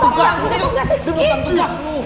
tunggu tunggu gas lu